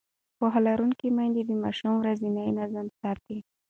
پوهه لرونکې میندې د ماشومانو ورځنی نظم ساتي.